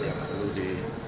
yang perlu di